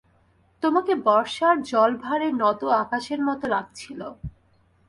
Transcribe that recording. তোমাকে বর্ষার জলভারে নত আকাশের মতো লাগছিল।